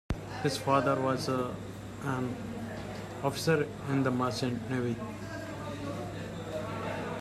His father was an officer in the Merchant Navy.